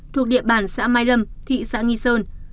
thuộc địa bàn xã mai lâm thị xã nghi sơn